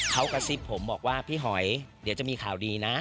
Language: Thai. เขากระซิบผมบอกว่าพี่หอยเดี๋ยวจะมีข่าวดีนะ